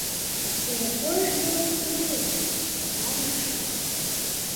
І якое ж было здзіўленне, дакладней, шок.